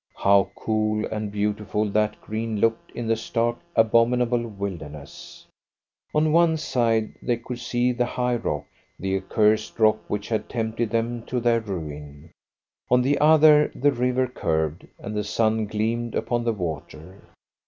How cool and beautiful that green looked in the stark, abominable wilderness! On one side they could see the high rock the accursed rock which had tempted them to their ruin. On the other the river curved, and the sun gleamed upon the water.